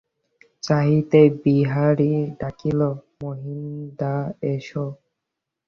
চাহিতেই বিহারী ডাকিল, মহিনদা, এসো।